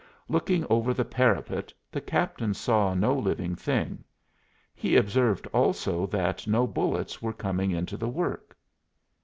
Looking over the parapet, the captain saw no living thing. He observed also that no bullets were coming into the work.